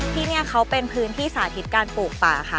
ที่นี่เขาเป็นพื้นที่สาธิตการปลูกป่าค่ะ